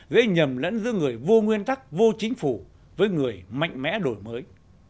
gây nhầm lẫn giữa người vô nguyên tắc vô chính phủ với người mạnh mẽ đổi mới